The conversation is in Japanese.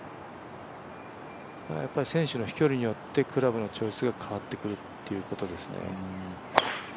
選手の飛距離によってクラブのチョイスが変わってくるということですね。